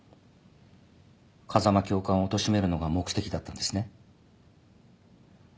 風間教官をおとしめるのが目的だったんですね。